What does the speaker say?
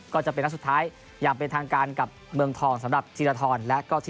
ก็จะเป็นนัดสุดท้ายอย่างเป็นทางการกับเมืองทองสำหรับธีรทรและก็ทีม